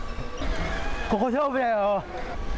ここ、勝負だよ。